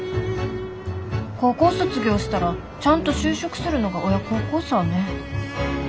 高校卒業したらちゃんと就職するのが親孝行さぁねぇ。